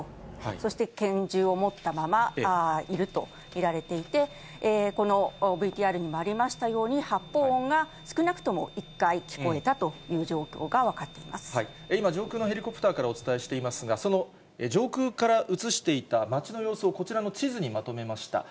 そして拳銃を持ったままいると見られていて、このＶＴＲにもありましたように、発砲音が少なくとも１回、聞こえたという状況が分今、上空のヘリコプターからお伝えしていますが、その上空から写していた街の様子をこちらの地図にまとめました。